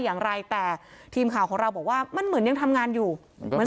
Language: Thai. อย่างไรแต่ทีมข่าวของเราบอกว่ามันเหมือนยังทำงานอยู่เหมือน